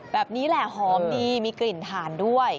แบบนี้แหละหอมดีมีกลิ่นถ่านด้วย